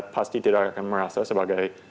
pasti tidak akan merasa sebagai